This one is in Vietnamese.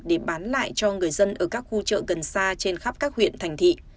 để bán lại cho người dân ở các khu chợ gần xa trên khắp các huyện thành thị